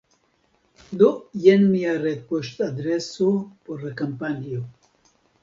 Do jen mia retpoŝtadreso por la kampanjo